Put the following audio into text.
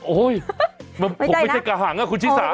โอ้ยผมไม่ใช่กระหังนะคุณชิศา